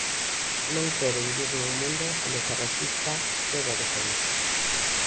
Non quere vivir nun mundo onde se rexistra todo o que se di.